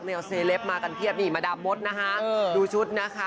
เนียลเซเลปมากันเทียบมีมาดับมดนะคะดูชุดนะคะ